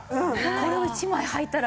これを１枚はいたら。